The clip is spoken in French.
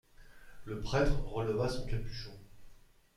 Le prêtre releva son capuchon.